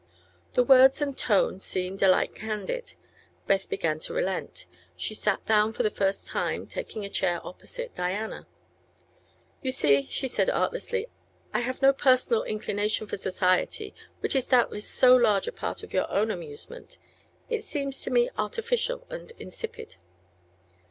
The words and tone seemed alike candid. Beth began to relent. She sat down for the first time, taking a chair opposite Diana. "You see," she said, artlessly, "I have no personal inclination for society, which is doubtless so large a part of your own amusement. It seems to me artificial and insipid."